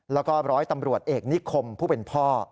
แล้วก็ร้อยตำรวจเอกนิคมผู้เป็นพ่อ